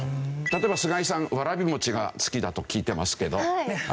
例えば菅井さんわらび餅が好きだと聞いてますけど。